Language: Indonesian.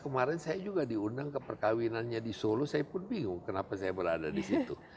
kemarin saya juga diundang ke perkawinannya di solo saya pun bingung kenapa saya berada di situ